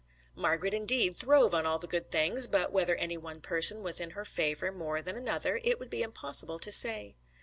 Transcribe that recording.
Margret, indeed, throve on all the good things, but whether any one person was in her favour more than another it would be impossible to say.